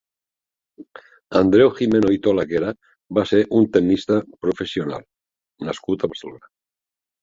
Andreu Gimeno i Tolaguera va ser un tennista professional nascut a Barcelona.